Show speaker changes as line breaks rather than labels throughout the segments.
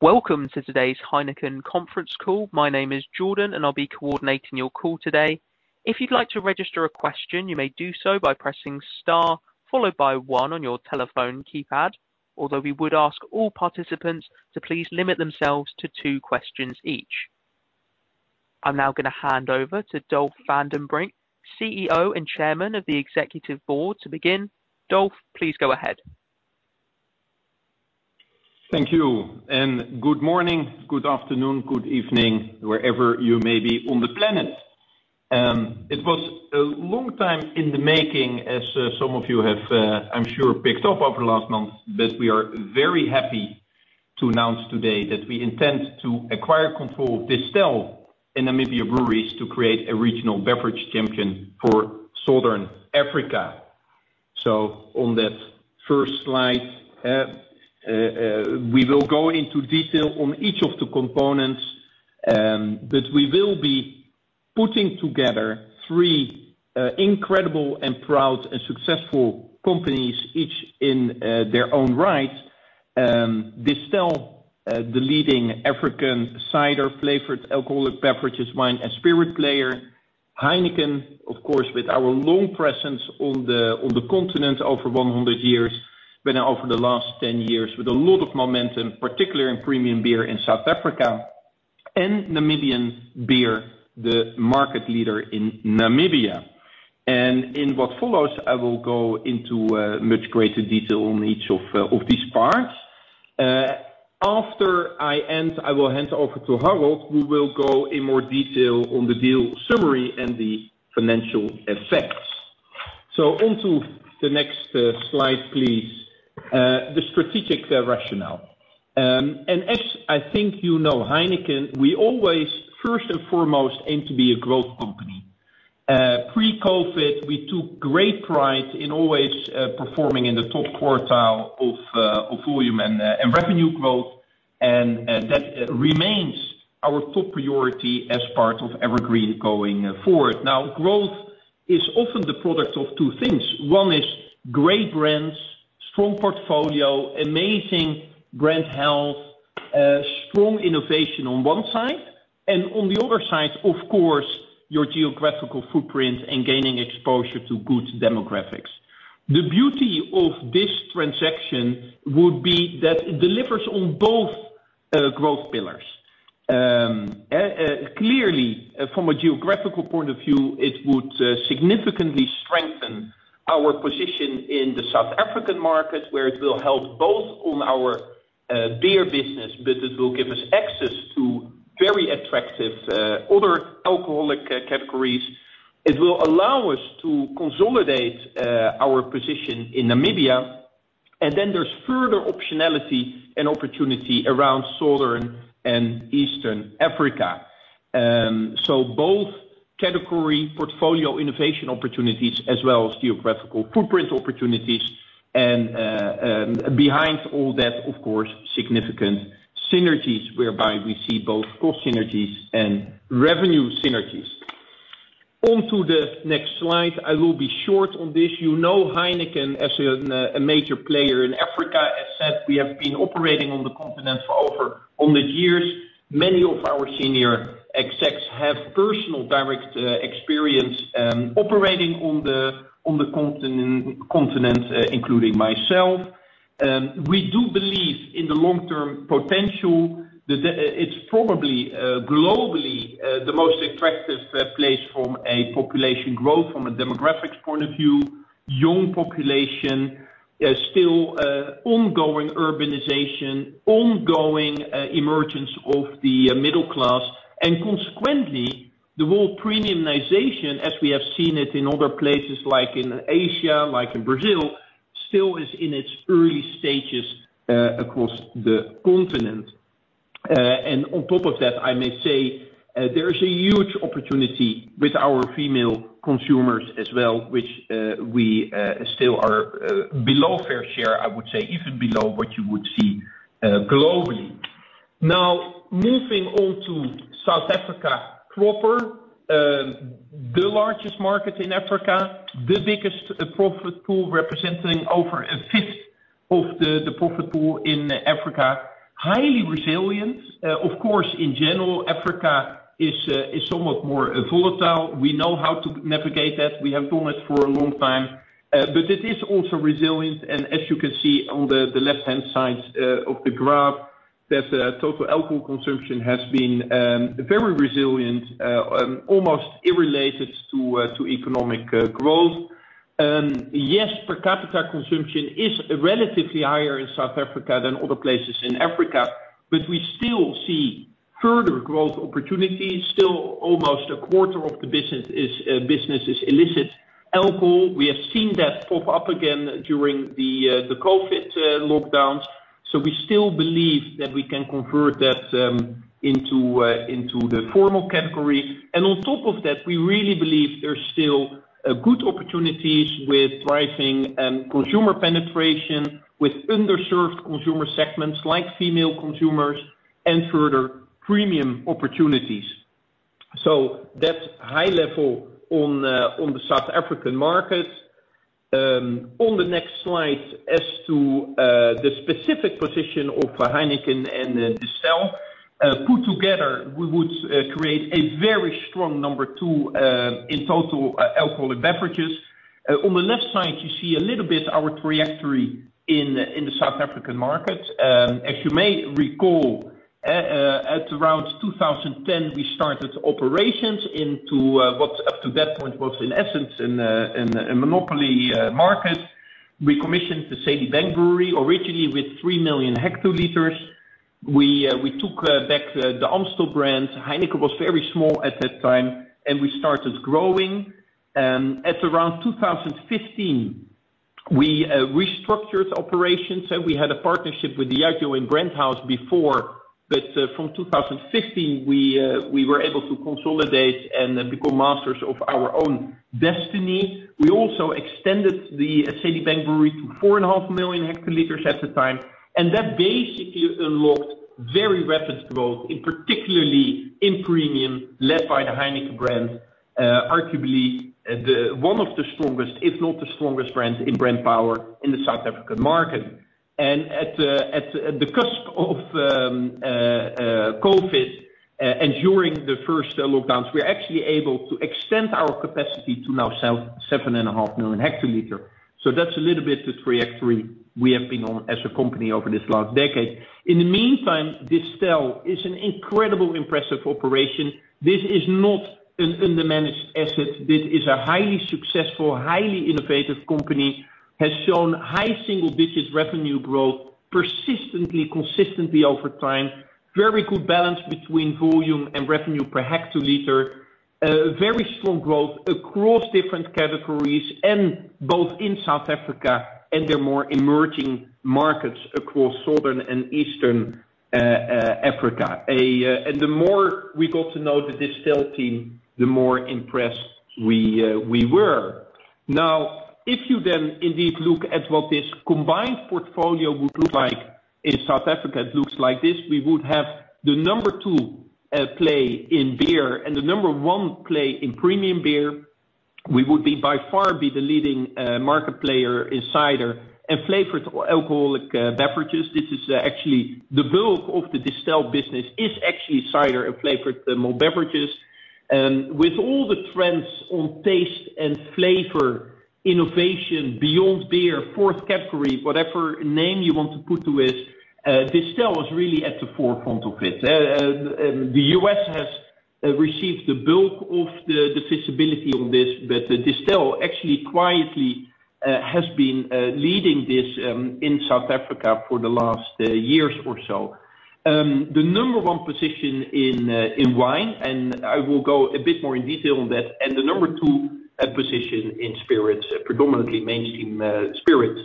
Welcome to today's Heineken conference call. My name is Jordan, and I'll be coordinating your call today. If you'd like to register a question, you may do so by pressing star, followed by one on your telephone keypad. Although we would ask all participants to please limit themselves to two questions each. I'm now gonna hand over to Dolf van den Brink, CEO and Chairman of the Executive Board to begin. Dolf, please go ahead.
Thank you, and good morning, good afternoon, good evening, wherever you may be on the planet. It was a long time in the making, as some of you have, I'm sure picked up over the last month, but we are very happy to announce today that we intend to acquire control of Distell and Namibia Breweries to create a regional beverage champion for Southern Africa. On that first slide, we will go into detail on each of the components that we will be putting together three incredible and proud and successful companies, each in their own right. Distell, the leading African cider flavored alcoholic beverages wine and spirit player. Heineken, of course, with our long presence on the continent over 100 years, been over the last 10 years with a lot of momentum, particularly in premium beer in South Africa, and Namibia Breweries, the market leader in Namibia. In what follows, I will go into much greater detail on each of these parts. After I end, I will hand over to Harold, who will go in more detail on the deal summary and the financial effects. Onto the next slide, please. The strategic rationale. As I think you know, Heineken, we always first and foremost aim to be a growth company. Pre-COVID, we took great pride in always performing in the top quartile of volume and revenue growth. That remains our top priority as part of EverGreen going forward. Now, growth is often the product of two things. One is great brands, strong portfolio, amazing brand health, strong innovation on one side, and on the other side, of course, your geographical footprint and gaining exposure to good demographics. The beauty of this transaction would be that it delivers on both, growth pillars. Clearly from a geographical point of view, it would significantly strengthen our position in the South African market, where it will help both on our beer business, but it will give us access to very attractive other alcoholic categories. It will allow us to consolidate our position in Namibia, and then there's further optionality and opportunity around Southern and Eastern Africa. Both category portfolio innovation opportunities as well as geographical footprint opportunities and, behind all that, of course, significant synergies whereby we see both cost synergies and revenue synergies. On to the next slide. I will be short on this. You know Heineken as a major player in Africa. As said, we have been operating on the continent for over 100 years. Many of our senior execs have personal direct experience operating on the continents, including myself. We do believe in the long-term potential, that it's probably globally the most attractive place from a population growth from a demographics point of view, young population, still ongoing urbanization, ongoing emergence of the middle class, and consequently, the whole premiumization, as we have seen it in other places like in Asia, like in Brazil, still is in its early stages across the continent. On top of that, I may say, there is a huge opportunity with our female consumers as well, which we still are below fair share, I would say, even below what you would see globally. Now, moving on to South Africa proper, the largest market in Africa, the biggest profit pool representing over a fifth of the profit pool in Africa. Highly resilient. Of course, in general, Africa is somewhat more volatile. We know how to navigate that. We have done it for a long time, but it is also resilient. As you can see on the left-hand side of the graph, the total alcohol consumption has been very resilient, almost unrelated to economic growth. Yes, per capita consumption is relatively higher in South Africa than other places in Africa, but we still see further growth opportunities. Still, almost a quarter of the business is illicit alcohol. We have seen that pop up again during the COVID lockdowns. We still believe that we can convert that into the formal category. On top of that, we really believe there's still good opportunities with rising consumer penetration, with underserved consumer segments like female consumers and further premium opportunities. That's high level on the South African market. On the next slide as to the specific position of Heineken and Distell put together, we would create a very strong number two in total alcoholic beverages. On the left side you see a little bit our trajectory in the South African market. As you may recall, at around 2010, we started operations into what up to that point was in essence in a monopoly market. We commissioned the Sedibeng Brewery originally with 3 million hectoliters. We took back the Amstel brand. Heineken was very small at that time, and we started growing. At around 2015, we restructured operations, and we had a partnership with Diageo and Brand House before. From 2015, we were able to consolidate and become masters of our own destiny. We also extended the Sedibeng Brewery to 4.5 million hectoliters at the time, and that basically unlocked very rapid growth particularly in premium led by the Heineken brand, arguably one of the strongest, if not the strongest brands in brand power in the South African market. At the cusp of COVID and during the first lockdowns, we were actually able to extend our capacity to now 7.5 million hectoliters. That's a little bit the trajectory we have been on as a company over this last decade. In the meantime, Distell is an incredibly impressive operation. This is not an undermanaged asset. This is a highly successful, highly innovative company, has shown high single digits revenue growth persistently, consistently over time. Very good balance between volume and revenue per hectoliter. Very strong growth across different categories and both in South Africa and their more emerging markets across Southern and Eastern Africa. And the more we got to know the Distell team, the more impressed we were. Now, if you then indeed look at what this combined portfolio would look like in South Africa, it looks like this. We would have the number two play in beer and the number one play in premium beer. We would be by far the leading market player in cider and flavored alcoholic beverages. This is actually the bulk of the Distell business is actually cider and flavored malt beverages. With all the trends on taste and flavor, innovation beyond beer, fourth category, whatever name you want to put to it, Distell was really at the forefront of it. The U.S. has received the bulk of the visibility on this, but Distell actually quietly has been leading this in South Africa for the last years or so. The number one position in wine, and I will go a bit more in detail on that, and the number two position in spirits, predominantly mainstream spirits.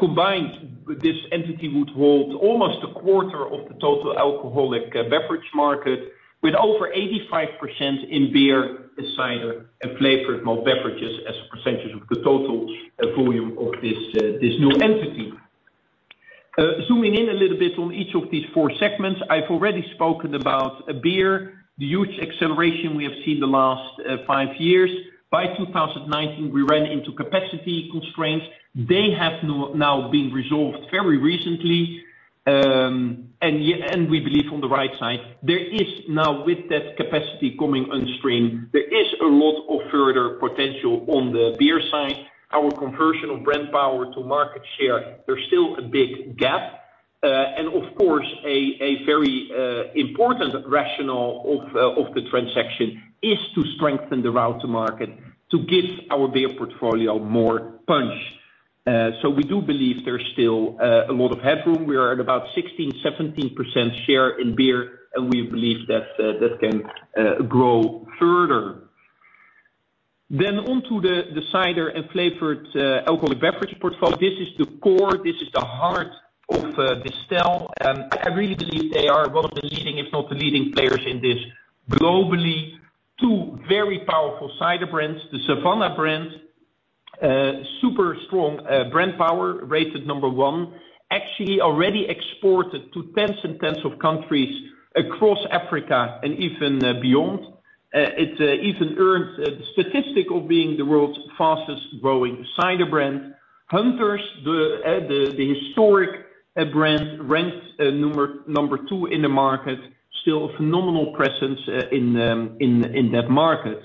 Combined with this entity would hold almost a quarter of the total alcoholic beverage market with over 85% in beer, cider and flavored malt beverages as a percentage of the total, volume of this new entity. Zooming in a little bit on each of these four segments. I've already spoken about beer, the huge acceleration we have seen the last five years. By 2019, we ran into capacity constraints. They have now been resolved very recently, and we believe on the right side. There is now, with that capacity coming on stream, there is a lot of further potential on the beer side. Our conversion of brand power to market share, there's still a big gap. Of course a very important rationale of the transaction is to strengthen the route to market to give our beer portfolio more punch. We do believe there's still a lot of headroom. We are at about 16%-17% share in beer, and we believe that that can grow further. On to the cider and flavored alcoholic beverage portfolio. This is the core, this is the heart of Distell. I really believe they are one of the leading, if not the leading players in this globally. Two very powerful cider brands. The Savanna brand, super strong brand power, rated number one, actually already exported to tens and tens of countries across Africa and even beyond. It even earned the statistic of being the world's fastest growing cider brand. Hunter's, the historic brand ranks number two in the market, still a phenomenal presence in that market.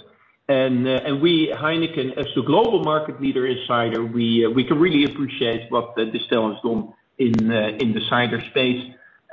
We, Heineken, as the global market leader in cider, we can really appreciate what Distell has done in the cider space,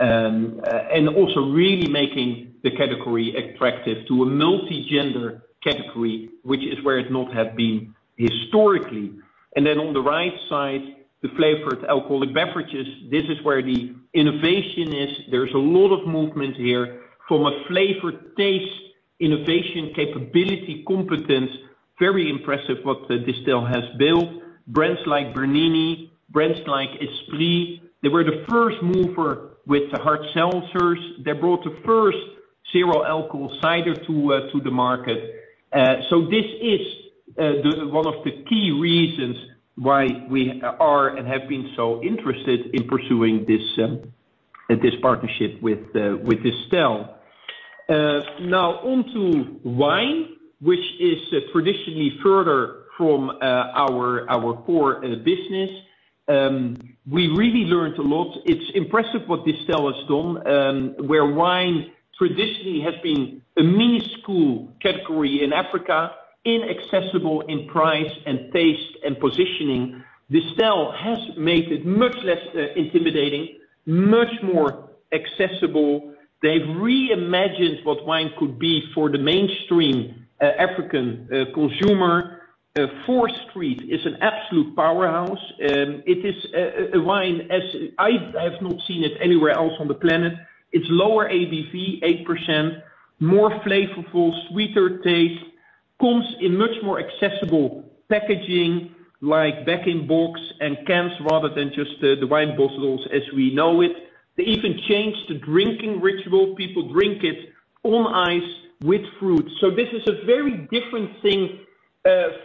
also really making the category attractive to a multi-gender category, which is where it had not been historically. On the right side, the flavored alcoholic beverages, this is where the innovation is. There's a lot of movement here from a flavor taste, innovation capability competence, very impressive what Distell has built. Brands like Bernini, brands like Esprit. They were the first mover with the hard seltzers. They brought the first zero alcohol cider to the market. This is one of the key reasons why we are and have been so interested in pursuing this partnership with Distell. Now on to wine, which is traditionally further from our core business. We really learned a lot. It's impressive what Distell has done, where wine traditionally has been a minuscule category in Africa, inaccessible in price and taste and positioning. Distell has made it much less intimidating, much more accessible. They've reimagined what wine could be for the mainstream African consumer. 4th Street is an absolute powerhouse. It is a wine I have not seen anywhere else on the planet. It's lower ABV, 8%, more flavorful, sweeter taste. Comes in much more accessible packaging like bag-in-box and cans, rather than just the wine bottles as we know it. They even changed the drinking ritual. People drink it on ice with fruit. This is a very different thing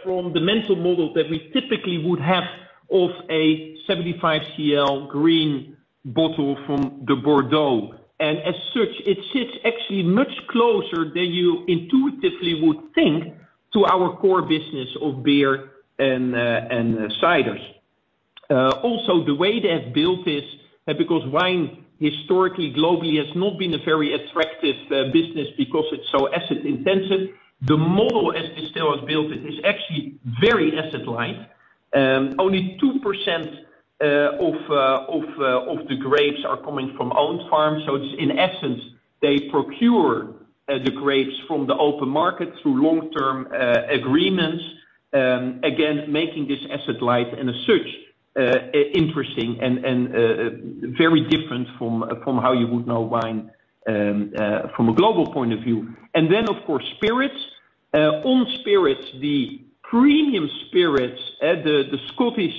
from the mental model that we typically would have of a 75 cl green bottle from the Bordeaux. As such, it sits actually much closer than you intuitively would think to our core business of beer and ciders. Also, the way they have built this, because wine historically, globally, has not been a very attractive business because it's so asset intensive. The model as Distell has built it is actually very asset light. Only 2% of the grapes are coming from owned farms. In essence, they procure the grapes from the open market through long-term agreements, again, making this asset light and as such, interesting and very different from how you would know wine from a global point of view. Of course, spirits. On spirits, the premium spirits, the Scottish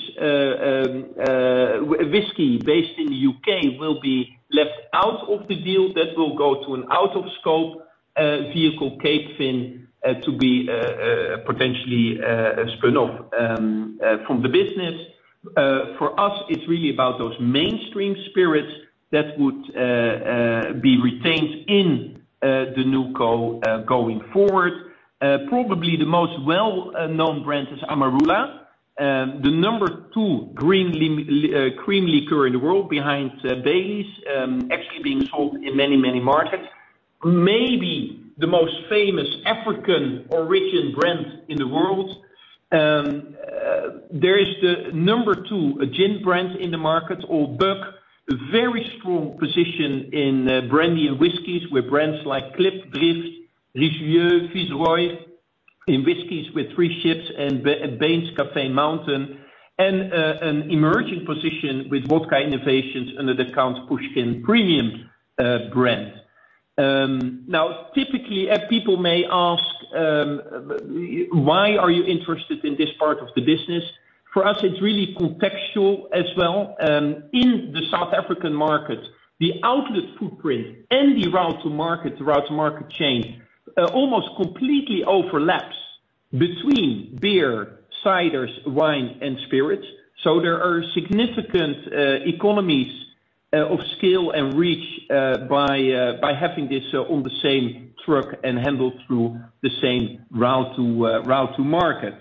whisky based in the U.K. will be left out of the deal. That will go to an out-of-scope vehicle, Capevin, to be potentially spin off from the business. For us, it's really about those mainstream spirits that would be retained in the Newco going forward. Probably the most well-known brand is Amarula. The number two cream liqueur in the world behind Baileys, actually being sold in many, many markets. Maybe the most famous African origin brand in the world. There is the number two gin brand in the market, Old Buck. A very strong position in brandy and whiskeys with brands like Klipdrift, Richelieu, Viceroy. In whiskeys with Three Ships and Bain's Cape Mountain, and an emerging position with vodka innovations under the Count Pushkin premium brand. Now, typically, people may ask, why are you interested in this part of the business? For us, it's really contextual as well. In the South African market, the outlet footprint and the route to market, the route to market chain, almost completely overlaps between beer, ciders, wine, and spirits. There are significant economies of scale and reach by having this on the same truck and handled through the same route to market.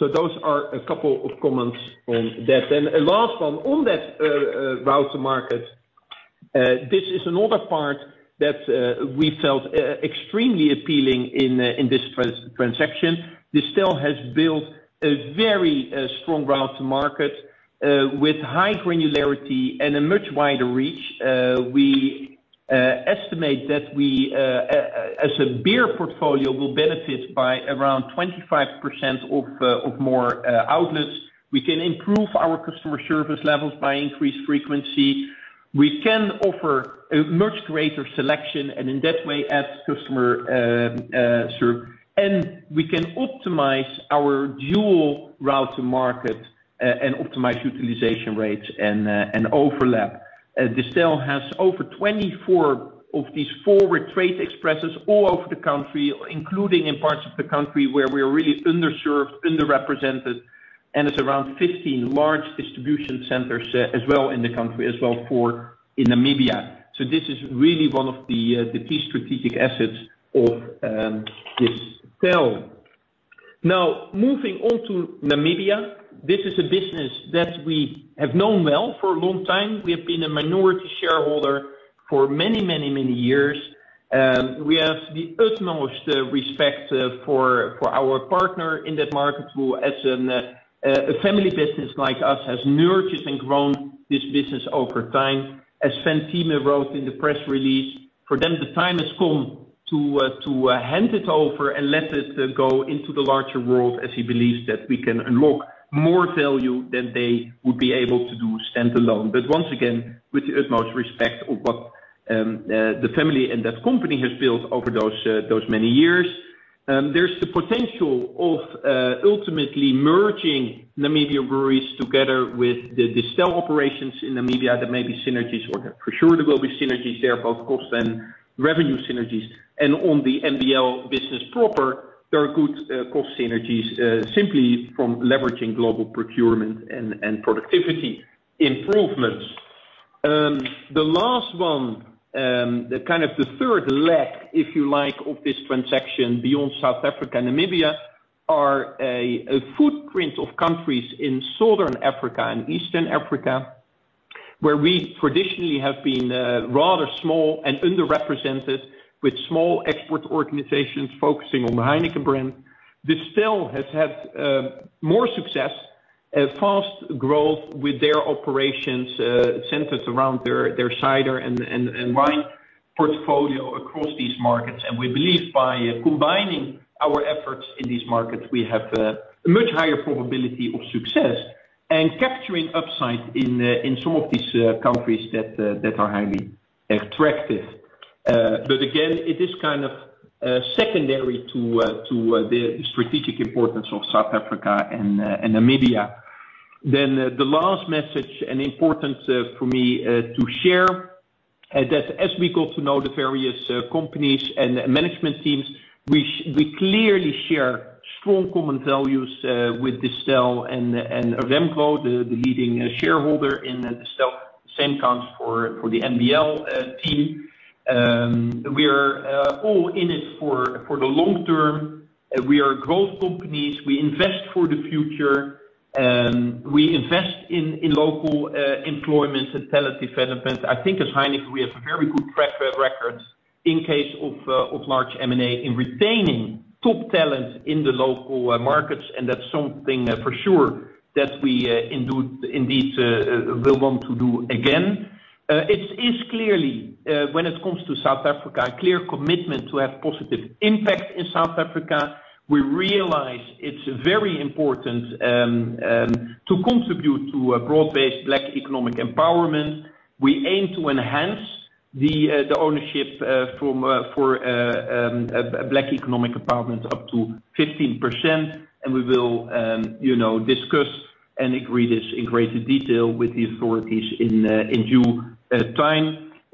Those are a couple of comments on that. Last one, on that, route to market, this is another part that we felt extremely appealing in this transaction. Distell has built a very strong route to market with high granularity and a much wider reach. We estimate that we, as a beer portfolio, will benefit by around 25% more outlets. We can improve our customer service levels by increased frequency. We can offer a much greater selection, and in that way add customer service and we can optimize our dual route to market, and optimize utilization rates and overlap. Distell has over 24 of these forward trade expresses all over the country, including in parts of the country where we're really underserved, underrepresented, and around 15 large distribution centers as well as in Namibia. This is really one of the key strategic assets of Distell. Now moving on to Namibia. This is a business that we have known well for a long time. We have been a minority shareholder for many years. We have the utmost respect for our partner in that market who as a family business like us, has nurtured and grown this business over time. As wrote in the press release, for them, the time has come to hand it over and let it go into the larger world as he believes that we can unlock more value than they would be able to do standalone. Once again, with the utmost respect for what the family and that company has built over those many years, there's the potential of ultimately merging Namibia Breweries together with the Distell operations in Namibia. There may be synergies, or for sure there will be synergies there, both cost and revenue synergies. On the NBL business proper, there are good cost synergies simply from leveraging global procurement and productivity improvements. The last one, the kind of the third leg, if you like, of this transaction beyond South Africa and Namibia are a footprint of countries in Southern Africa and Eastern Africa, where we traditionally have been rather small and underrepresented with small export organizations focusing on the Heineken brand. Distell has had more success, fast growth with their operations centers around their cider and wine portfolio across these markets. We believe by combining our efforts in these markets, we have a much higher probability of success and capturing upside in some of these countries that are highly attractive. Again, it is kind of secondary to the strategic importance of South Africa and Namibia. The last message and important for me to share that as we got to know the various companies and management teams, we clearly share strong common values with Distell and Remgro, the leading shareholder in Distell. Same counts for the NBL team. We are all in it for the long term. We are growth companies. We invest for the future. We invest in local employment and talent development. I think as Heineken, we have a very good track record in case of large M&A in retaining top talent in the local markets, and that's something for sure that we indeed will want to do again. It is clearly, when it comes to South Africa, a clear commitment to have positive impact in South Africa. We realize it's very important to contribute to a Broad-Based Black Economic Empowerment. We aim to enhance the ownership for Black Economic Empowerment up to 15%, and we will, you know, discuss and agree this in greater detail with the authorities in due time.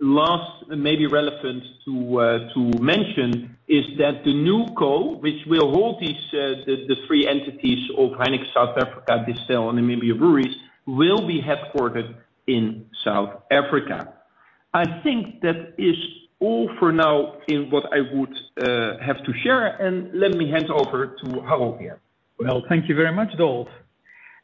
Last, maybe relevant to mention, is that the Newco, which will hold these, the three entities of Heineken South Africa, Distell and Namibia Breweries, will be headquartered in South Africa. I think that is all for now in what I would have to share and let me hand over to Harold here.
Well, thank you very much,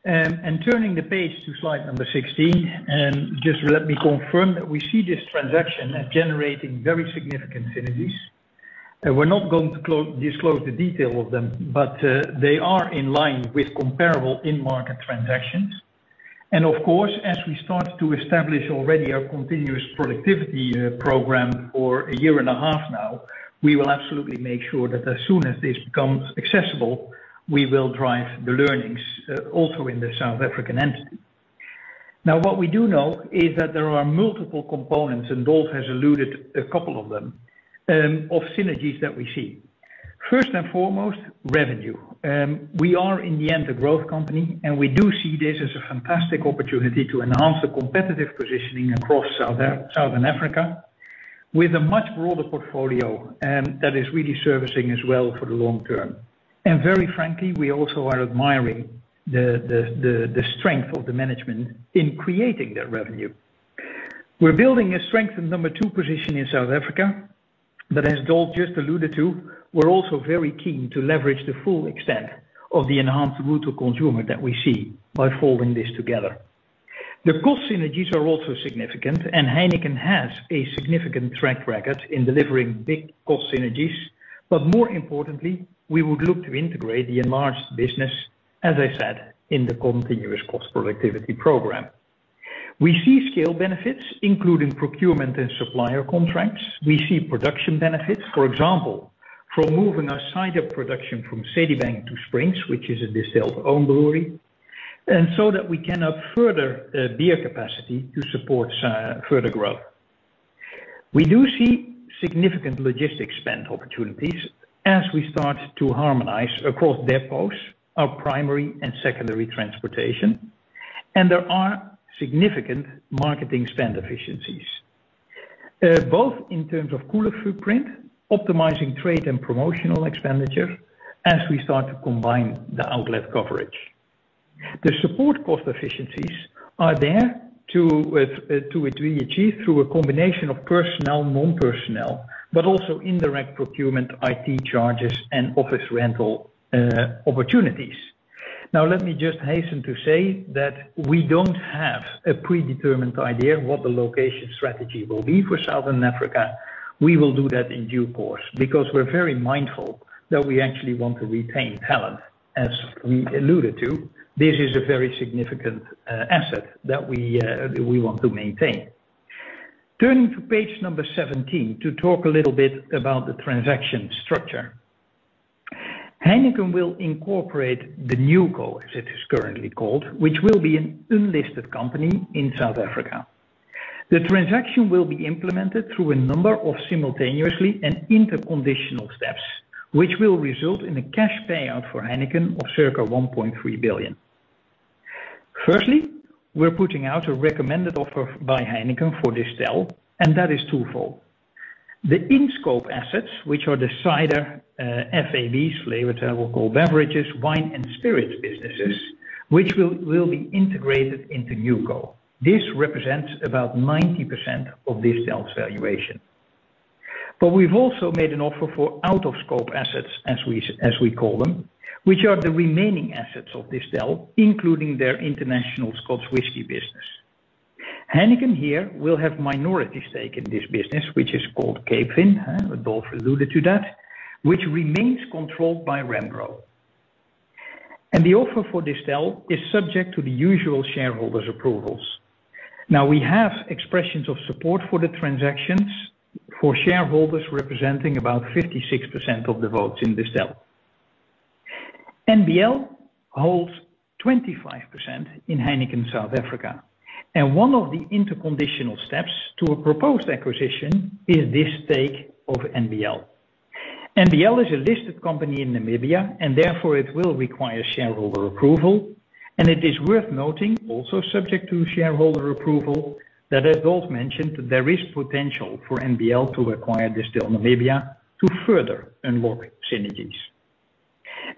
Dolf. Turning the page to slide number 16, just let me confirm that we see this transaction as generating very significant synergies. We're not going to disclose the detail of them, but they are in line with comparable end market transactions. Of course, as we start to establish already our continuous productivity program for a year and a half now, we will absolutely make sure that as soon as this becomes accessible, we will drive the learnings also in the South African entity. Now, what we do know is that there are multiple components, and Dolf has alluded to a couple of them, of synergies that we see. First and foremost, revenue. We are in the end a growth company, and we do see this as a fantastic opportunity to enhance the competitive positioning across Southern Africa with a much broader portfolio that is really servicing as well for the long term. Very frankly, we also are admiring the strength of the management in creating that revenue. We're building a strong number two position in South Africa, but as Dolf just alluded to, we're also very keen to leverage the full extent of the enhanced route to consumer that we see by folding this together. The cost synergies are also significant, and Heineken has a significant track record in delivering big cost synergies. More importantly, we would look to integrate the enlarged business, as I said, in the continuous cost productivity program. We see scale benefits, including procurement and supplier contracts. We see production benefits, for example, from moving our cider production from Sedibeng to Springs, which is a Distell's own brewery, and so that we can free up further beer capacity to support further growth. We do see significant logistics spend opportunities as we start to harmonize across depots, our primary and secondary transportation. There are significant marketing spend efficiencies, both in terms of cooler footprint, optimizing trade and promotional expenditure as we start to combine the outlet coverage. The support cost efficiencies are there to be achieved through a combination of personnel, non-personnel, but also indirect procurement, IT charges, and office rental opportunities. Now, let me just hasten to say that we don't have a predetermined idea of what the location strategy will be for Southern Africa. We will do that in due course because we're very mindful that we actually want to retain talent. As we alluded to, this is a very significant asset that we want to maintain. Turning to page 17 to talk a little bit about the transaction structure. Heineken will incorporate the NewCo, as it is currently called, which will be an unlisted company in South Africa. The transaction will be implemented through a number of simultaneous and inter-conditional steps, which will result in a cash payout for Heineken of circa 1.3 billion. Firstly, we're putting out a recommended offer by Heineken for Distell, and that is twofold. The in-scope assets, which are the cider, FABs, flavored alcoholic beverages, wine and spirits businesses, which will be integrated into NewCo. This represents about 90% of Distell's valuation. We've also made an offer for out-of-scope assets, as we call them, which are the remaining assets of Distell, including their international Scotch whisky business. Heineken here will have minority stake in this business, which is called Capevin. Dolf alluded to that, which remains controlled by Remgro. The offer for Distell is subject to the usual shareholders approvals. Now, we have expressions of support for the transactions for shareholders representing about 56% of the votes in Distell. NBL holds 25% in Heineken South Africa, and one of the interconditional steps to a proposed acquisition is this stake of NBL. NBL is a listed company in Namibia, and therefore it will require shareholder approval. It is worth noting, also subject to shareholder approval, that as Dolf mentioned, there is potential for NBL to acquire Distell Namibia to further unlock synergies.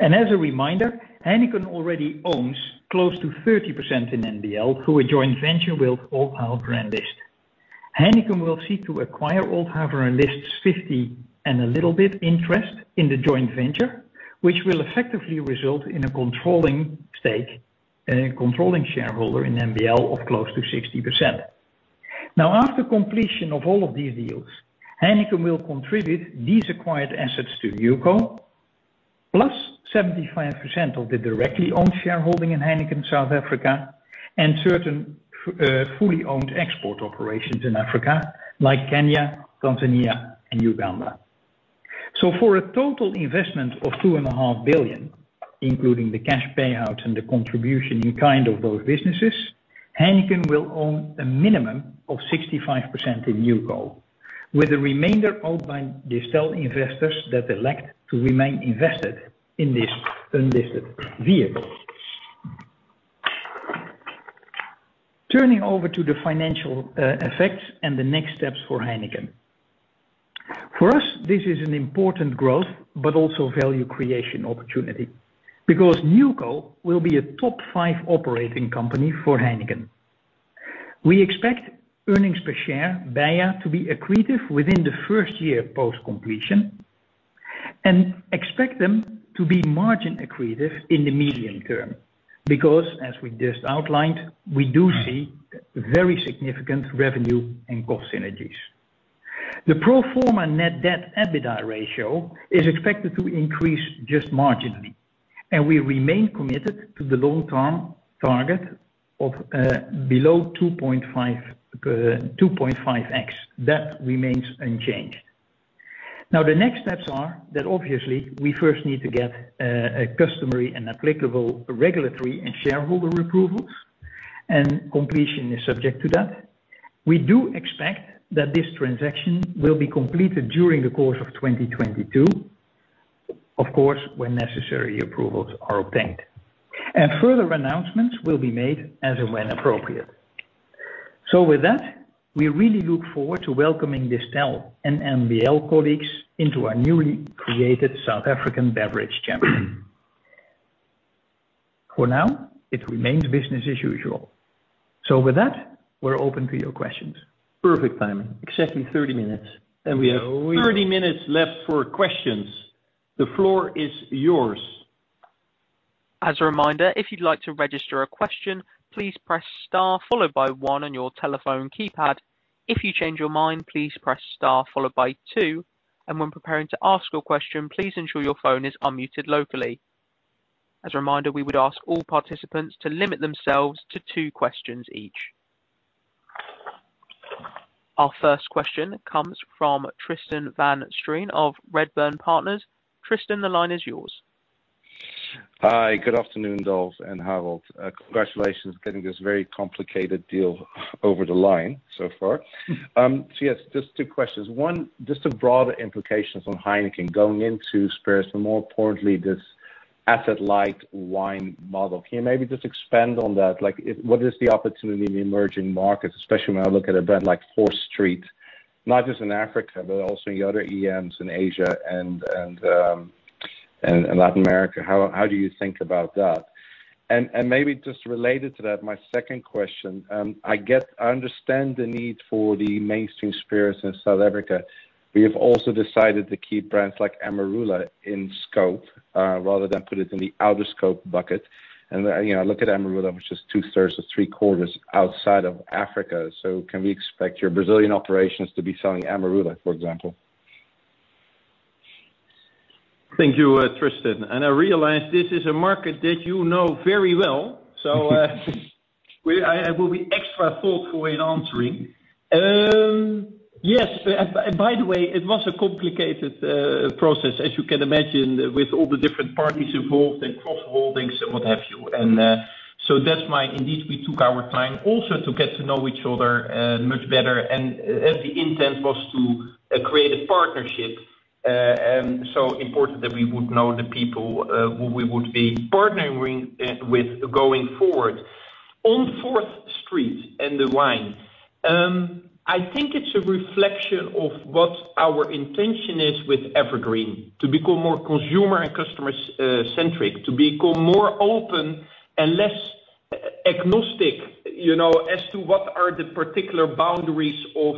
As a reminder, Heineken already owns close to 30% in NBL through a joint venture with Old Mutual Brand List. Heineken will seek to acquire Ohlthaver & List 50% and a little bit interest in the joint venture, which will effectively result in a controlling stake, controlling shareholder in NBL of close to 60%. Now, after completion of all of these deals, Heineken will contribute these acquired assets to NewCo, plus 75% of the directly owned shareholding in Heineken South Africa and certain fully owned export operations in Africa like Kenya, Tanzania and Uganda. For a total investment of 2.5 billion, including the cash payout and the contribution in kind of both businesses, Heineken will own a minimum of 65% in NewCo, with the remainder owned by Distell investors that elect to remain invested in this unlisted vehicle. Turning over to the financial effects and the next steps for Heineken. For us, this is an important growth but also value creation opportunity, because NewCo will be a top five operating company for Heineken. We expect earnings per share, BEIA, to be accretive within the first-year post completion, and expect them to be margin accretive in the medium term. Because as we just outlined, we do see very significant revenue and cost synergies. The pro forma net debt, EBITDA ratio is expected to increase just marginally, and we remain committed to the long-term target of below 2.5x. That remains unchanged. Now, the next steps are that obviously we first need to get a customary and applicable regulatory and shareholder approvals, and completion is subject to that. We do expect that this transaction will be completed during the course of 2022, of course, when necessary approvals are obtained. Further announcements will be made as and when appropriate. With that, we really look forward to welcoming Distell and NBL colleagues into our newly created South African beverage champion. For now, it remains business as usual. With that, we're open to your questions.
Perfect timing. Exactly 30 minutes. We have 30 minutes left for questions. The floor is yours.
As a reminder, if you'd like to register a question, please press star followed by one on your telephone keypad. If you change your mind, please press star followed by two. When preparing to ask your question, please ensure your phone is unmuted locally. As a reminder, we would ask all participants to limit themselves to two questions each. Our first question comes from Tristan van Strien of Redburn Partners. Tristan, the line is yours.
Hi. Good afternoon, Dolf and Harold. Congratulations getting this very complicated deal over the line so far. So yes, just two questions. One, just the broader implications on Heineken going into spirits and more importantly, this asset light wine model. Can you maybe just expand on that? Like what is the opportunity in the emerging markets, especially when I look at a brand like 4th Street, not just in Africa, but also in the other EMs in Asia and Latin America. How do you think about that? And maybe just related to that, my second question, I understand the need for the mainstream spirits in South Africa, but you've also decided to keep brands like Amarula in scope rather than put it in the out-of-scope bucket. You know, look at Amarula, which is two-thirds to three-quarters outside of Africa. Can we expect your Brazilian operations to be selling Amarula, for example?
Thank you, Tristan. I realize this is a market that you know very well. I will be extra thoughtful in answering. Yes, by the way, it was a complicated process, as you can imagine, with all the different parties involved and crossholdings and what have you. Indeed, we took our time also to get to know each other much better. as the intent was to create a partnership so important that we would know the people we would be partnering with going forward. On 4th Street and the wine, I think it's a reflection of what our intention is with EverGreen, to become more consumer and customer-centric, to become more open and less agnostic, you know, as to what are the particular boundaries of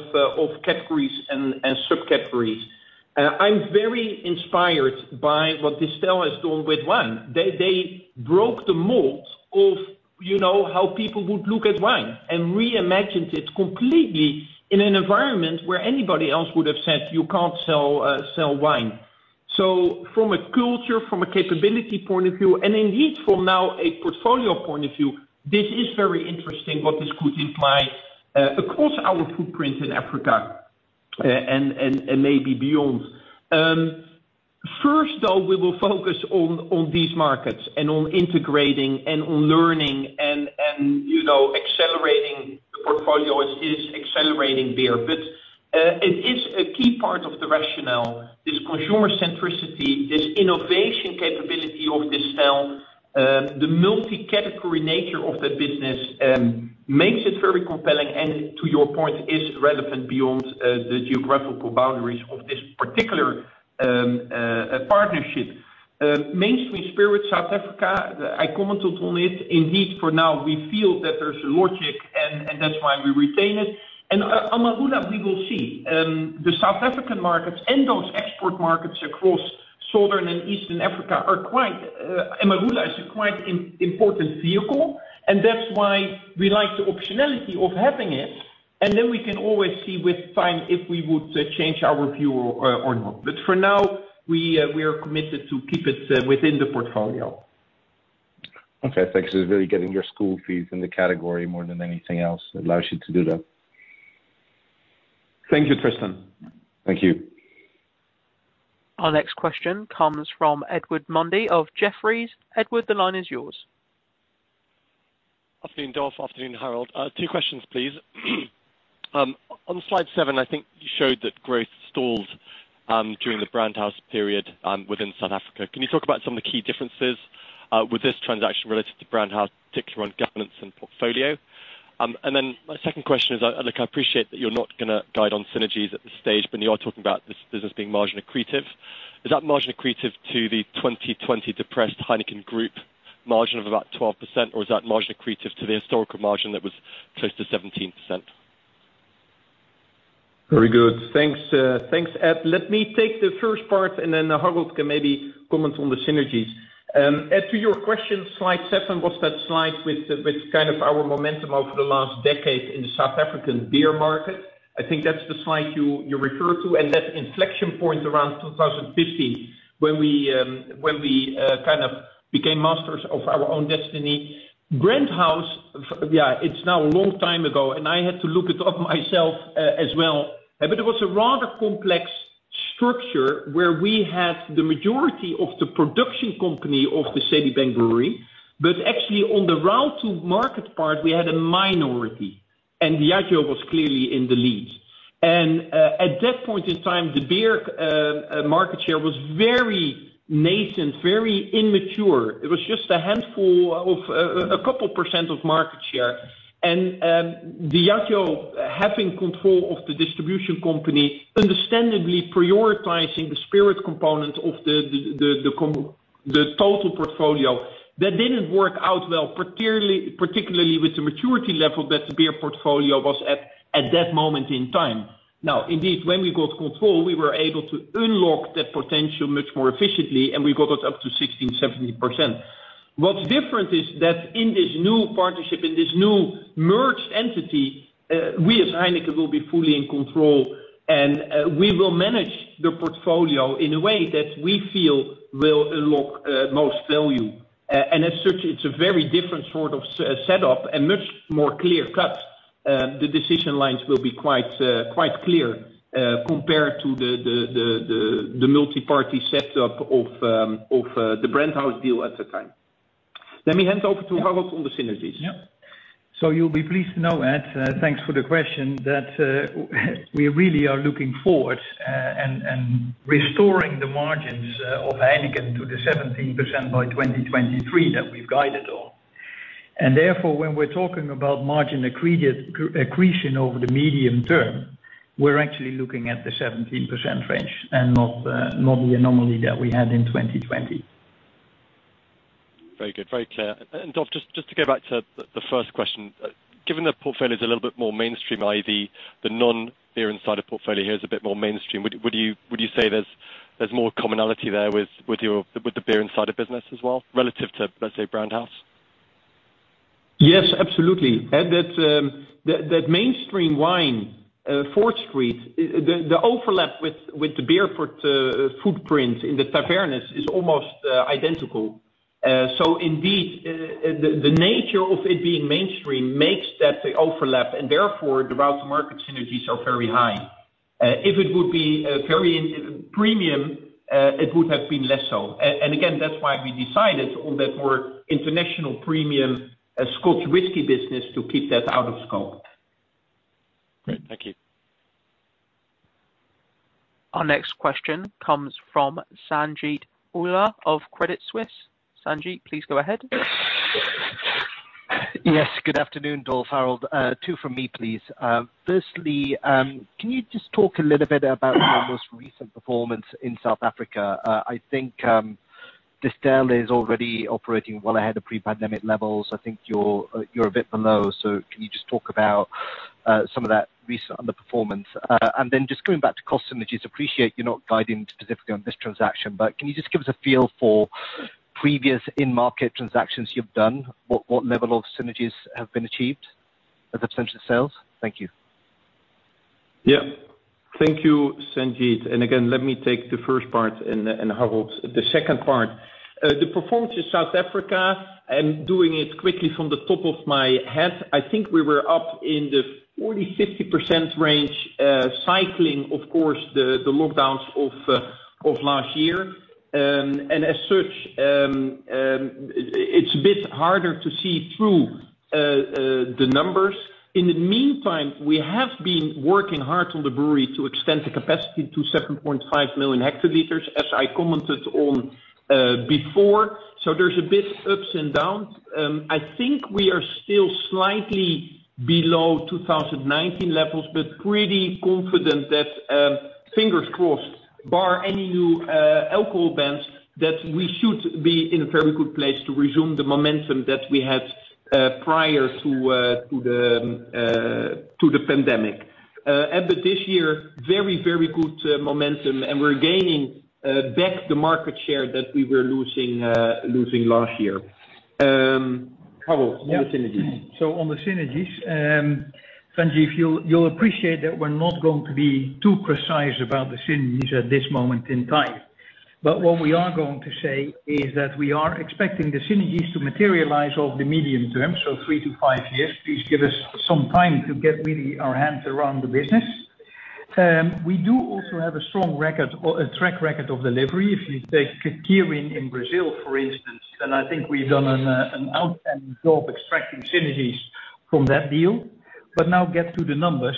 categories and subcategories. I'm very inspired by what Distell has done with wine. They broke the mold of, you know, how people would look at wine and reimagined it completely in an environment where anybody else would have said, "You can't sell wine." From a culture, from a capability point of view, and indeed from a portfolio point of view, this is very interesting what this could imply across our footprint in Africa, and maybe beyond. First, though, we will focus on these markets and on integrating and on learning and, you know, accelerating the portfolio as is accelerating beer. It is a key part of the rationale, this consumer centricity, this innovation capability of Distell, the multi-category nature of the business, makes it very compelling, and to your point, is relevant beyond the geographical boundaries of this particular partnership. Mainstream spirit South Africa, I commented on it. Indeed, for now, we feel that there's logic and that's why we retain it. Amarula, we will see. The South African markets and those export markets across Southern and Eastern Africa are quite, Amarula is a quite important vehicle, and that's why we like the optionality of having it, and then we can always see with time if we would change our view or or not. For now, we are committed to keep it within the portfolio.
Okay. Thanks. It's really getting your school fees in the category more than anything else. It allows you to do that.
Thank you, Tristan.
Thank you.
Our next question comes from Edward Mundy of Jefferies. Edward, the line is yours.
Afternoon, Dolf. Afternoon, Harold. Two questions, please. On slide seven, I think you showed that growth stalled during the Brand House period within South Africa. Can you talk about some of the key differences with this transaction related to Brand House, particularly on governance and portfolio? My second question is, look, I appreciate that you're not gonna guide on synergies at this stage, but you are talking about this business being margin accretive. Is that margin accretive to the 2020 depressed Heineken group margin of about 12%, or is that margin accretive to the historical margin that was close to 17%?
Very good. Thanks, Ed. Let me take the first part, and then Harold can maybe comment on the synergies. Ed, to your question, slide seven was that slide with kind of our momentum over the last decade in the South African beer market. I think that's the slide you referred to, and that inflection point around 2015 when we kind of became masters of our own destiny. Brand House, yeah, it's now a long time ago, and I had to look it up myself, as well. It was a rather complex structure where we had the majority of the production company of the City Brewery, but actually on the route to market part, we had a minority, and Diageo was clearly in the lead. At that point in time, the beer market share was very nascent, very immature. It was just a handful of a couple percent of market share. Diageo, having control of the distribution company, understandably prioritizing the spirit component of the total portfolio. That didn't work out well, particularly with the maturity level that the beer portfolio was at that moment in time. Now, indeed, when we got control, we were able to unlock the potential much more efficiently, and we got it up to 16%-17%. What's different is that in this new partnership, in this new merged entity, we as Heineken will be fully in control and we will manage the portfolio in a way that we feel will unlock most value. As such, it's a very different sort of setup and much more clear cut. The decision lines will be quite clear compared to the multi-party setup of the Brand House deal at the time. Let me hand over to Harold on the synergies.
You'll be pleased to know, Ed, thanks for the question, that we really are looking forward and restoring the margins of Heineken to the 17% by 2023 that we've guided on. Therefore, when we're talking about margin accretion over the medium term, we're actually looking at the 17% range and not the anomaly that we had in 2020.
Very good. Very clear. Dolf, just to go back to the first question. Given the portfolio is a little bit more mainstream, i.e. the non-beer and cider portfolio here is a bit more mainstream, would you say there's more commonality there with your beer and cider business as well, relative to, let's say, Brand House?
Yes, absolutely. Edward, that mainstream wine, 4th Street, the overlap with the beer footprint in the taverns is almost identical. Indeed, the nature of it being mainstream makes that overlap, and therefore the route to market synergies are very high. If it would be very premium, it would have been less so. Again, that's why we decided on that more international premium Scotch whisky business to keep that out of scope.
Great. Thank you.
Our next question comes from Sanjeet Aujla of Credit Suisse. Sanjeet, please go ahead.
Yes, good afternoon, Dolf, Harold. Two from me, please. Firstly, can you just talk a little bit about your most recent performance in South Africa? I think Distell is already operating well ahead of pre-pandemic levels. I think you're a bit below. Can you just talk about some of that recent underperformance? Just going back to cost synergies, appreciate you're not guiding specifically on this transaction, but can you just give us a feel for previous in-market transactions you've done, what level of synergies have been achieved at the potential sales? Thank you.
Yeah. Thank you, Sanjeet. Again, let me take the first part and Harold the second part. The performance in South Africa, I'm doing it quickly from the top of my head. I think we were up in the 40%-50% range, cycling, of course, the lockdowns of last year. As such, it's a bit harder to see through the numbers. In the meantime, we have been working hard on the brewery to extend the capacity to 7.5 million hectoliters, as I commented on before. So, there's a bit ups and downs. I think we are still slightly below 2019 levels, but pretty confident that, fingers crossed, bar any new alcohol bans, that we should be in a very good place to resume the momentum that we had prior to the pandemic. But this year, very, very good momentum, and we're gaining back the market share that we were losing last year. Harold, on the synergies.
Yeah. On the synergies, Sanjeet, you'll appreciate that we're not going to be too precise about the synergies at this moment in time. What we are going to say is that we are expecting the synergies to materialize over the medium term, so three-five years. Please give us some time to get really our hands around the business. We do also have a strong record or a track record of delivery. If you take Kirin in Brazil, for instance, I think we've done an outstanding job extracting synergies from that deal. Now get to the numbers.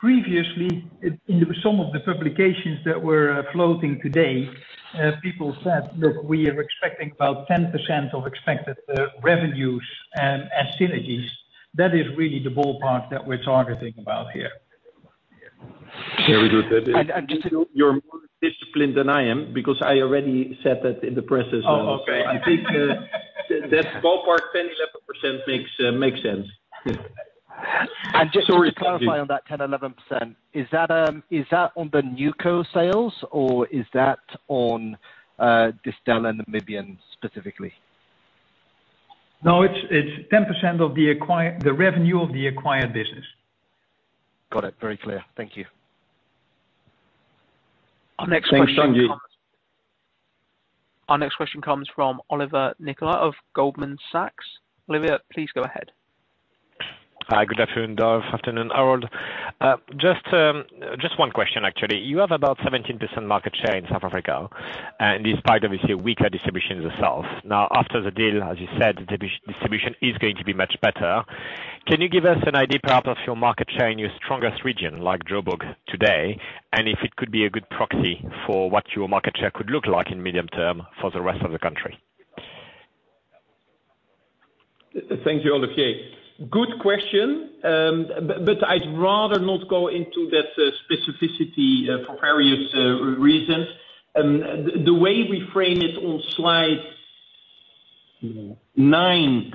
Previously, in some of the publications that were floating today, people said, "Look, we are expecting about 10% of expected revenues as synergies." That is really the ballpark that we're targeting about here.
Very good.
I just
You're more disciplined than I am because I already said that in the press as well.
Oh, okay.
I think that ballpark 10%-11% makes sense.
Just to clarify on that 10%-11%, is that on the Newco sales or is that on Distell and Namibian specifically?
No, it's 10% of the revenue of the acquired business.
Got it. Very clear. Thank you.
Thanks, Sanjeet.
Our next question comes from Olivier Nicolaï of Goldman Sachs. Olivier, please go ahead.
Hi, good afternoon, Dolf. Afternoon, Harold. Just one question, actually. You have about 17% market share in South Africa, and despite obviously a weaker distribution in the South. Now, after the deal, as you said, distribution is going to be much better. Can you give us an idea perhaps of your market share in your strongest region, like Joburg today, and if it could be a good proxy for what your market share could look like in medium term for the rest of the country?
Thanks, Olivier. Good question, but I'd rather not go into that specificity for various reasons. The way we frame it on slide nine,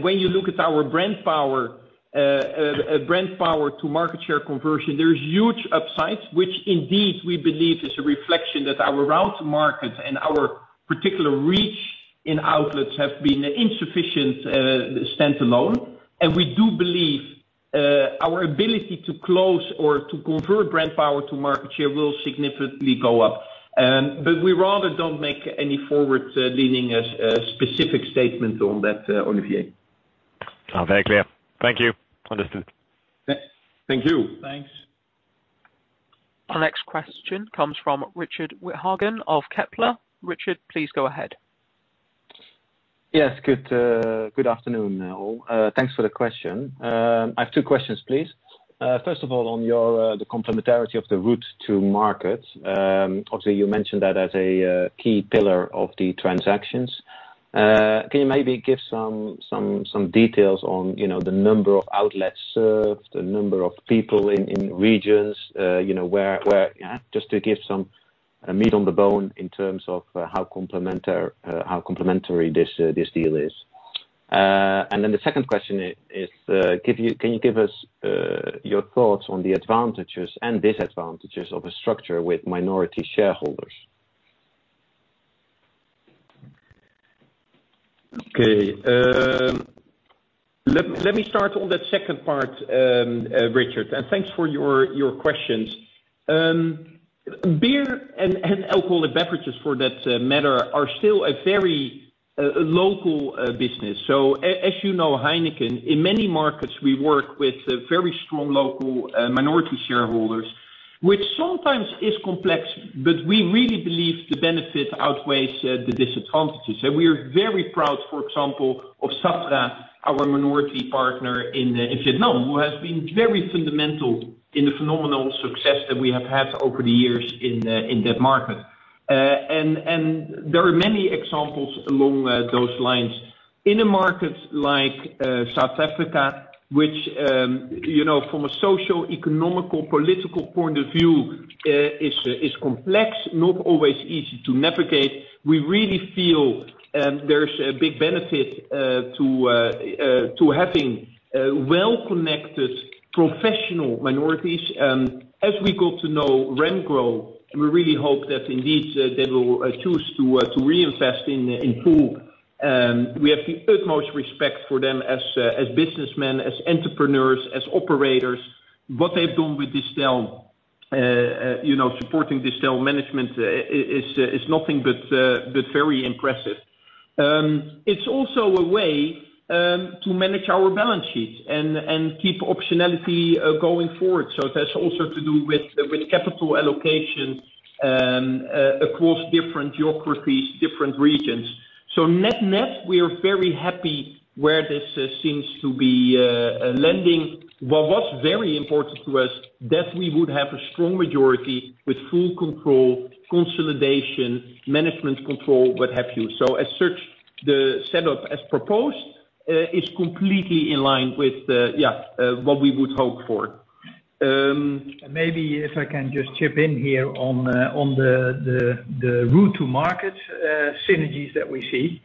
when you look at our brand power, brand power to market share conversion, there's huge upsides, which indeed we believe is a reflection that our route to market and our particular reach in outlets have been insufficient standalone. We do believe our ability to close or to convert brand power to market share will significantly go up. We rather don't make any forward-leaning specific statements on that, Olivier.
Oh, very clear. Thank you. Understood.
Thank you.
Thanks.
Our next question comes from Richard Withagen of Kepler. Richard, please go ahead.
Yes, good afternoon now. Thanks for the question. I have two questions, please. First of all, on the complementarity of the route to market, obviously you mentioned that as a key pillar of the transactions. Can you maybe give some details on, you know, the number of outlets served, the number of people in regions, you know, where. Just to give some meat on the bone in terms of how complementary this deal is. The second question is, can you give us your thoughts on the advantages and disadvantages of a structure with minority shareholders?
Okay. Let me start on that second part, Richard, and thanks for your questions. Beer and alcoholic beverages for that matter are still a very local business. As you know, Heineken, in many markets, we work with a very strong local minority shareholders, which sometimes is complex, but we really believe the benefit outweighs the disadvantages. We are very proud, for example, of SABECO, our minority partner in Vietnam, who has been very fundamental in the phenomenal success that we have had over the years in that market. There are many examples along those lines. In a market like South Africa, which you know, from a social, economic, political point of view, is complex, not always easy to navigate, we really feel there's a big benefit to having a well-connected professional minorities. As we get to know Remgro, we really hope that indeed they will choose to reinvest in Newco. We have the utmost respect for them as businessmen, as entrepreneurs, as operators. What they've done with Distell you know, supporting Distell management is nothing but very impressive. It's also a way to manage our balance sheet and keep optionality going forward. That's also to do with capital allocation across different geographies, different regions. Net-net, we are very happy where this seems to be heading. What's very important to us that we would have a strong majority with full control, consolidation, management control, what have you. As such, the setup as proposed is completely in line with what we would hope for.
Maybe if I can just chip in here on the route to market synergies that we see.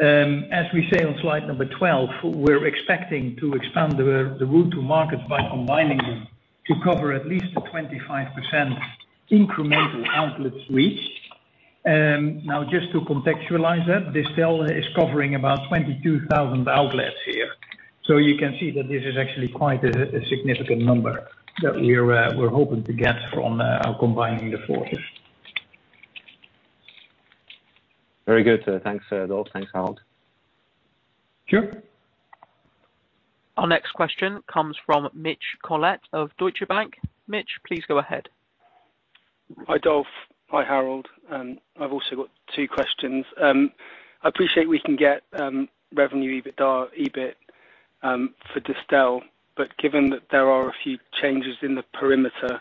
As we say on slide number 12, we're expecting to expand the route to market by combining them to cover at least a 25% incremental outlets reach. Now, just to contextualize that, Distell is covering about 22,000 outlets here. You can see that this is actually quite a significant number that we're hoping to get from combining the forces.
Very good. Thanks, Dolf. Thanks, Harold.
Sure.
Our next question comes from Mitch Collett of Deutsche Bank. Mitch, please go ahead.
Hi, Dolf. Hi, Harold. I've also got two questions. I appreciate we can get revenue, EBITDA, EBIT for Distell, but given that there are a few changes in the perimeter,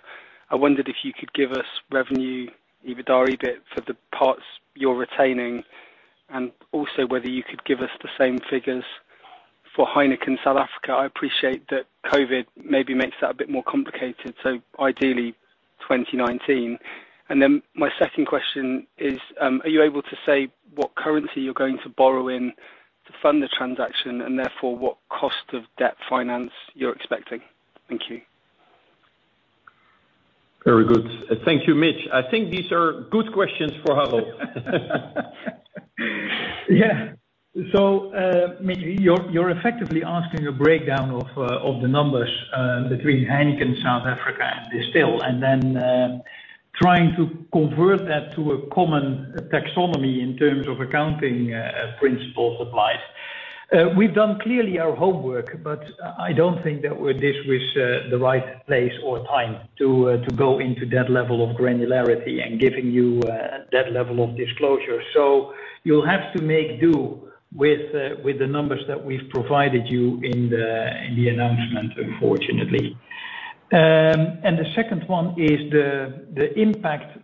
I wondered if you could give us revenue, EBITDA, EBIT for the parts you're retaining, and also whether you could give us the same figures for Heineken South Africa. I appreciate that COVID maybe makes that a bit more complicated, so ideally 2019. My second question is, are you able to say what currency you're going to borrow in to fund the transaction, and therefore what cost of debt finance you're expecting? Thank you.
Very good. Thank you, Mitch. I think these are good questions for Harold.
Mitch, you're effectively asking a breakdown of the numbers between Heineken South Africa and Distell, and then trying to convert that to a common taxonomy in terms of accounting principles applied. We've clearly done our homework, but I don't think that we're at the right place or time to go into that level of granularity and giving you that level of disclosure. You'll have to make do with the numbers that we've provided you in the announcement, unfortunately. The second one is the impact,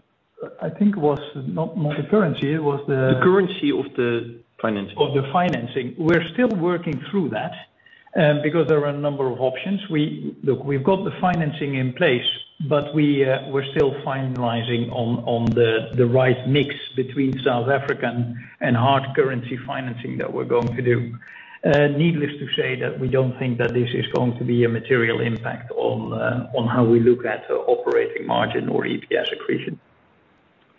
I think it was not the currency, it was the-
The currency of the financing.
Of the financing. We're still working through that, because there are a number of options. Look, we've got the financing in place, but we're still finalizing on the right mix between South African and hard currency financing that we're going to do. Needless to say that we don't think that this is going to be a material impact on how we look at operating margin or EPS accretion.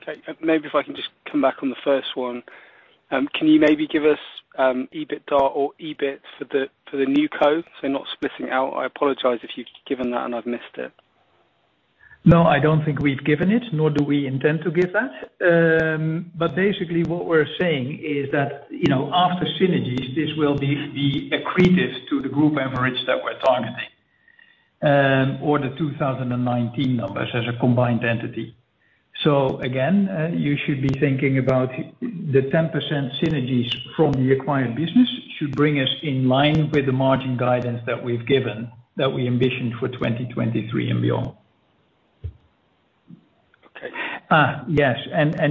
Okay. Maybe if I can just come back on the first one. Can you maybe give us EBITDA or EBIT for the Newco, so not splitting out? I apologize if you've given that and I've missed it.
No, I don't think we've given it, nor do we intend to give that. But basically what we're saying is that, you know, after synergies, this will be accretive to the group average that we're targeting, or the 2019 numbers as a combined entity. Again, you should be thinking about the 10% synergies from the acquired business should bring us in line with the margin guidance that we've given, that we envisioned for 2023 and beyond.
Okay.
Yes.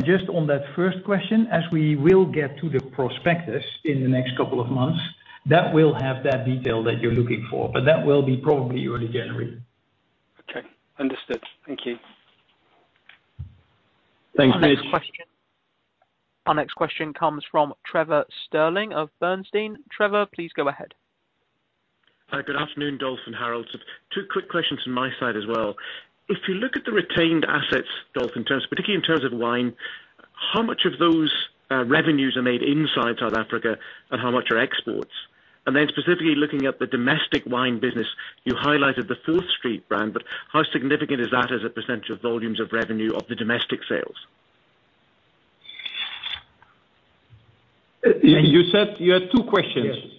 Just on that first question, as we will get to the prospectus in the next couple of months, that will have that detail that you're looking for, but that will be probably early January.
Okay. Understood. Thank you.
Thanks, Mitch.
Our next question comes from Trevor Stirling of Bernstein. Trevor, please go ahead.
Hi, good afternoon, Dolf and Harold. Two quick questions from my side as well. If you look at the retained assets, Dolf, in terms, particularly in terms of wine, how much of those revenues are made inside South Africa and how much are exports? Specifically looking at the domestic wine business, you highlighted the 4th Street brand, but how significant is that as a percentage of volumes of revenue of the domestic sales?
You said you had two questions.
Yes.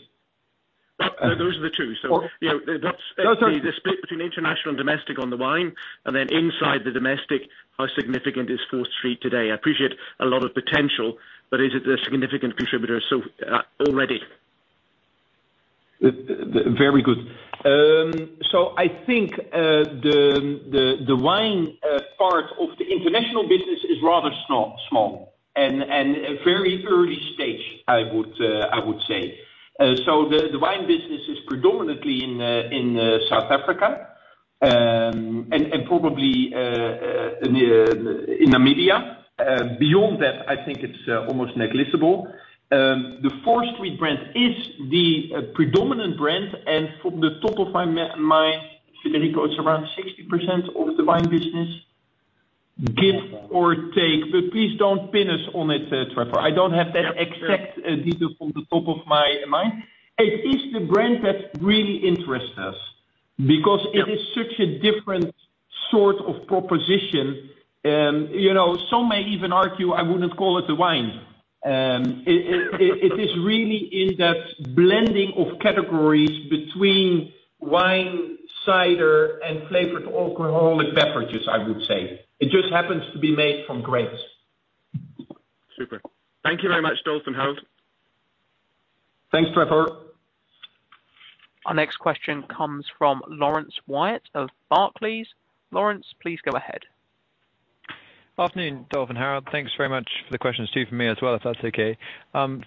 Those are the two. You know, that's the split between international and domestic on the wine, and then inside the domestic, how significant is 4th Street today? I appreciate a lot of potential, but is it a significant contributor already?
Very good. I think the wine part of the international business is rather small and a very early stage, I would say. The wine business is predominantly in South Africa and probably in Namibia. Beyond that, I think it's almost negligible. The 4th Street brand is the predominant brand. From the top of my mind, Federico, it's around 60% of the wine business, give or take. But please don't pin us on it, Trevor. I don't have that exact detail from the top of my mind. It is the brand that really interests us because it is such a different sort of proposition. You know, some may even argue, I wouldn't call it a wine. It is really in that blending of categories between wine, cider, and flavored alcoholic beverages, I would say. It just happens to be made from grapes.
Super. Thank you very much, Dolf and Harold.
Thanks, Trevor.
Our next question comes from Laurence Whyatt of Barclays. Laurence, please go ahead.
Afternoon, Dolf and Harold. Thanks very much for the questions too, from me as well, if that's okay.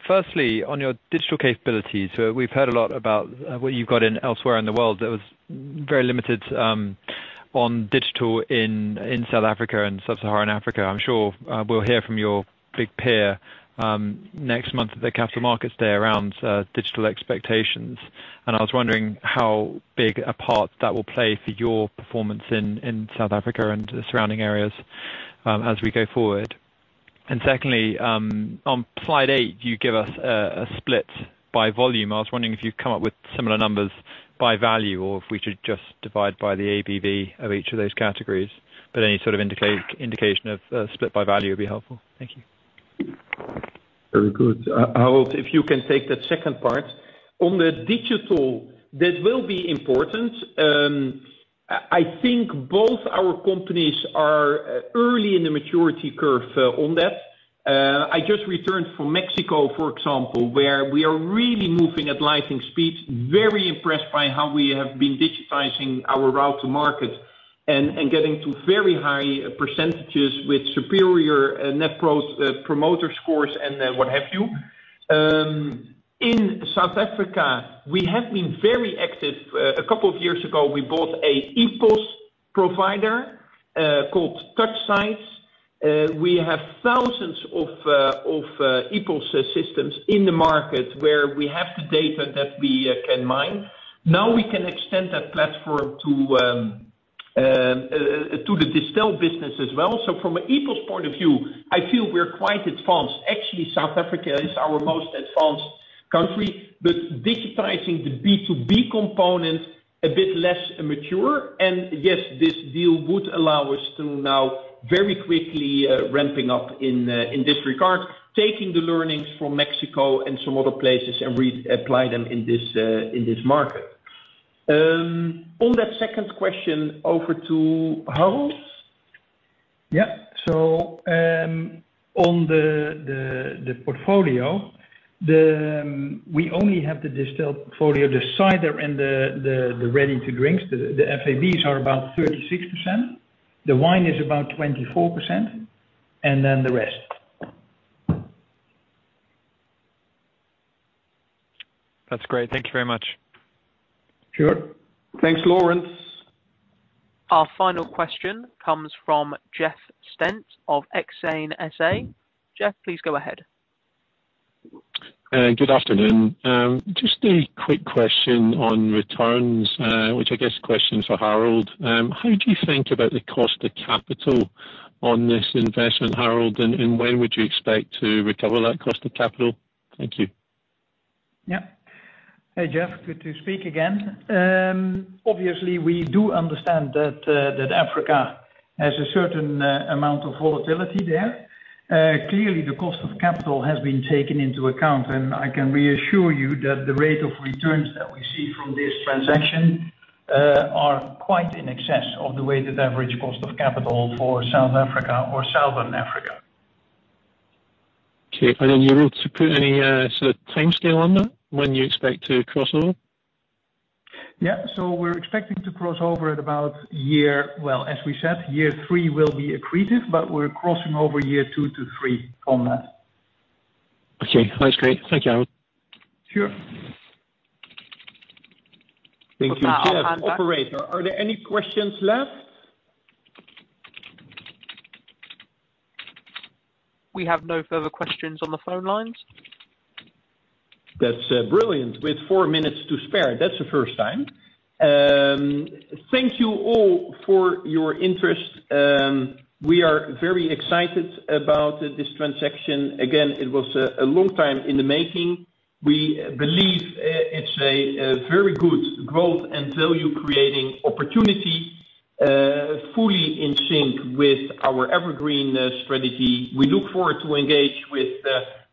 Firstly, on your digital capabilities, we've heard a lot about what you've got in elsewhere in the world that was very limited on digital in South Africa and Sub-Saharan Africa. I'm sure we'll hear from your big peer next month at the Capital Markets Day around digital expectations. I was wondering how big a part that will play for your performance in South Africa and the surrounding areas as we go forward. Secondly, on slide eight, you give us a split by volume. I was wondering if you've come up with similar numbers by value or if we should just divide by the ABV of each of those categories. Any sort of indication of split by value would be helpful. Thank you.
Very good. Harold, if you can take that second part. On the digital, that will be important. I think both our companies are early in the maturity curve on that. I just returned from Mexico, for example, where we are really moving at lightning speed, very impressed by how we have been digitizing our route to market and getting to very high percentages with superior net promoter scores and then what have you. In South Africa, we have been very active. A couple of years ago, we bought an EPOS provider called TouchSides. We have thousands of EPOS systems in the market where we have the data that we can mine. Now we can extend that platform to the Distell business as well. From an EPOS point of view, I feel we're quite advanced. Actually, South Africa is our most advanced country, but digitizing the B2B component, a bit less immature. Yes, this deal would allow us to now very quickly ramping up in this regard, taking the learnings from Mexico and some other places and reapply them in this market. On that second question, over to Harold.
Yeah. On the portfolio, we only have the Distell portfolio, the cider and the ready-to-drinks. The FABs are about 36%, and then the rest.
That's great. Thank you very much.
Sure.
Thanks, Laurence.
Our final question comes from Jeff Stent of Exane S.A. Jeff, please go ahead.
Good afternoon. Just a quick question on returns, which I guess is a question for Harold. How do you think about the cost of capital on this investment, Harold, and when would you expect to recover that cost of capital? Thank you.
Yeah. Hey, Jeff. Good to speak again. Obviously we do understand that Africa has a certain amount of volatility there. Clearly the cost of capital has been taken into account, and I can reassure you that the rate of returns that we see from this transaction are quite in excess of the weighted average cost of capital for South Africa or Southern Africa.
Okay. Are you able to put any sort of timescale on that, when you expect to cross over?
Well, as we said, year three will be accretive, but we're crossing over year two to three on that.
Okay. That's great. Thank you, Harold.
Sure.
Thank you, Jeff. Operator, are there any questions left?
We have no further questions on the phone lines.
That's brilliant. With four minutes to spare. That's the first time. Thank you all for your interest. We are very excited about this transaction. Again, it was a long time in the making. We believe it's a very good growth and value-creating opportunity, fully in sync with our EverGreen strategy. We look forward to engage with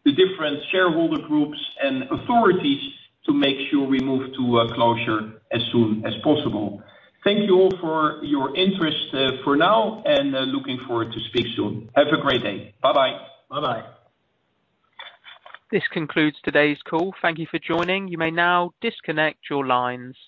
the different shareholder groups and authorities to make sure we move to a closure as soon as possible. Thank you all for your interest, for now, and looking forward to speak soon. Have a great day. Bye-bye.
Bye-bye.
This concludes today's call. Thank you for joining. You may now disconnect your lines.